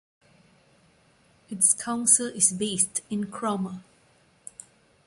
Its council is based in Cromer.